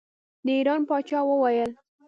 د ایران پاچا وویل.